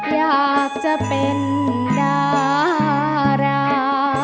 อยากจะเป็นดารา